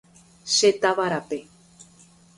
Che táva rape.